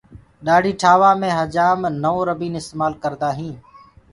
ڏآڙهي ٺآوآ مي هجآم نوَو ربيٚن استمآل ڪردآ هينٚ۔